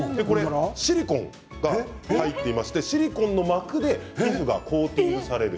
シリコンが入っていてシリコンの膜で皮膚がコーティングされる。